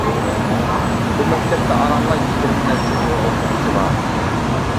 بۇ مەكتەپتە ئارانلا يىگىرمە نەچچە ئۇيغۇر ئوقۇغۇچى بار.